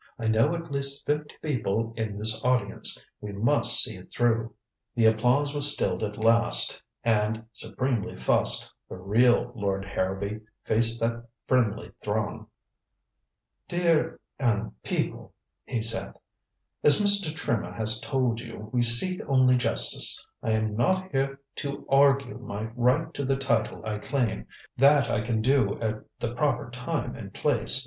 I know at least fifty people in this audience. We must see it through." The applause was stilled at last and, supremely fussed, the "real Lord Harrowby" faced that friendly throng. "Dear er people," he said. "As Mr. Trimmer has told you, we seek only justice. I am not here to argue my right to the title I claim that I can do at the proper time and place.